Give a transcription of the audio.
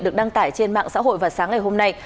được đăng tải trên mạng xã hội vào sáng ngày hôm nay